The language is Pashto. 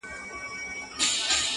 • کله به ریشتیا سي، وايي بله ورځ -